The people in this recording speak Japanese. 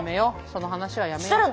その話はやめよう。